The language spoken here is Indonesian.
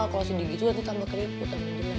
kalau sedih gitu nanti tambah keriput